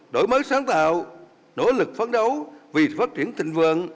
đổi mới sáng tạo nỗ lực phán đấu vì phát triển thịnh vượng